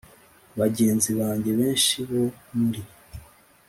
bagenzi banjye benshi bo muri